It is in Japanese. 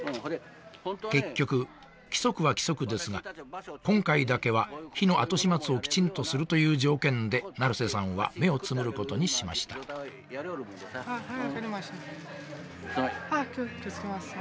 結局規則は規則ですが今回だけは火の後始末をきちんとするという条件で成瀬さんは目をつむることにしましたすいません。